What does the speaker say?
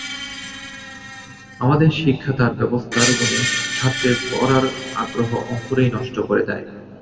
আমাদের শিক্ষা তার ব্যবস্থার গুণে ছাত্রের পড়ার আগ্রহ অঙ্কুরেই নষ্ট করে দেয়।